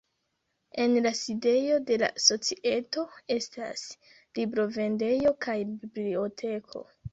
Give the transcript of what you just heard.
En la sidejo de la societo estas librovendejo kaj biblioteko.